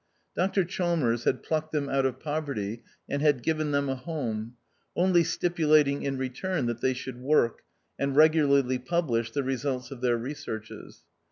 Dr Chalmers had plucked them out of poverty and had given them a home, only stipulating in return that they should work, and regularly pub lish the results of their researches.